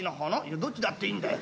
どっちだっていいんだよ